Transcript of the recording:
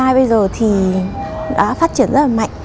ai bây giờ thì đã phát triển rất là mạnh